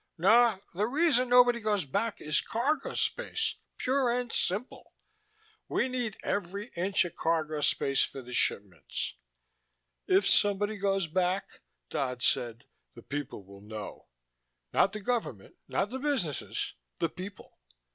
No, the reason nobody goes back is cargo space, pure and simple. We need every inch of cargo space for the shipments." "If somebody goes back," Dodd said, "the people will know. Not the government, not the businesses, the people.